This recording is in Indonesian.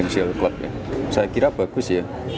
saya kira bagus ya